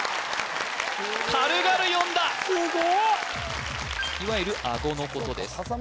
軽々読んだすごいいわゆる顎のことです